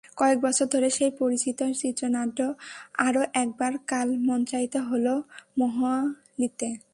কয়েক বছর ধরে সেই পরিচিত চিত্রনাট্য আরও একবার কাল মঞ্চায়িত হলো মোহালিতে।